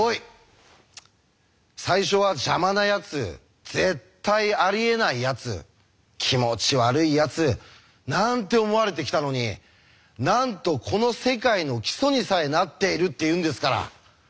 最初は邪魔なやつ絶対ありえないやつ気持ち悪いやつなんて思われてきたのになんとこの世界の基礎にさえなっているっていうんですから。